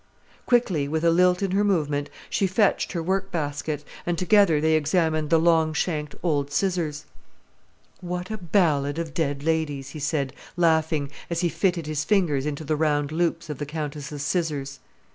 Quickly, with a lilt in her movement, she fetched her work basket, and together they examined the long shanked old scissors. "What a ballad of dead ladies!" he said, laughing, as he fitted his fingers into the round loops of the countess's scissors.